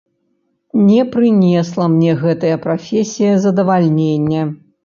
Не прынесла мне гэтая прафесія задавальнення.